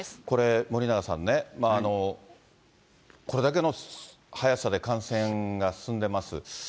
これ森永さんね、これだけの速さで感染が進んでます。